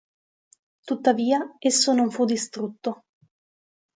Tuttavia, esso non fu distrutto.